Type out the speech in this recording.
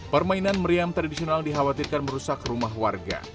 permainan meriam tradisional dikhawatirkan merusak rumah warga